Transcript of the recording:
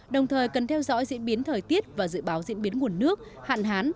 đồng thời cần theo dõi diễn biến thời tiết và dự báo diễn biến nguồn nước hạn hán